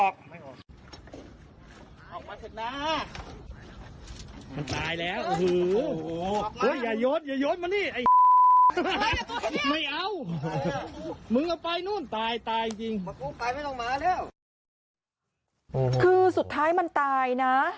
คือสุดท้ายมันตายนะ